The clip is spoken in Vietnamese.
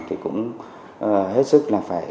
thì cũng hết sức là phải